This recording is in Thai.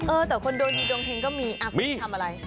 เออแต่คนดวงดีดวงเพลงก็มี